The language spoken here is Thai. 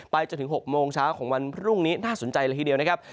จนถึง๖โมงเช้าของวันพรุ่งนี้น่าสนใจเลยทีเดียวนะครับ